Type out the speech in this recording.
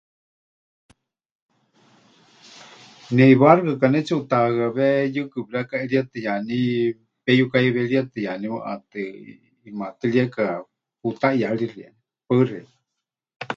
Neʼiwá xɨka kanetsiʼutahɨawé yɨkɨ pɨrekaʼerietɨyaní, peyukaheiwerietɨyaní waʼatɨ, ʼimatɨrieka putaʼiyarixieni. Paɨ xeikɨ́a.